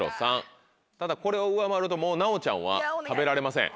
ただこれを上回るともう奈央ちゃんは食べられません。